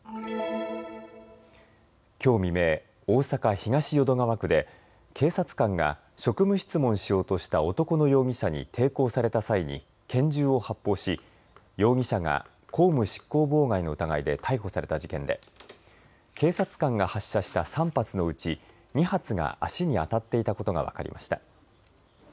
きょう未明、大阪東淀川区で警察官が職務質問しようとした男の容疑者に抵抗された際に拳銃を発砲し容疑者が公務執行妨害の疑いで逮捕された事件で警察官が発射した３発のうち２発が足に当たっていたことが分かりました。